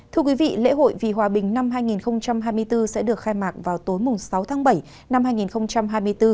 thưa quý vị lễ hội vì hòa bình năm hai nghìn hai mươi bốn sẽ được khai mạc vào tối sáu tháng bảy năm hai nghìn hai mươi bốn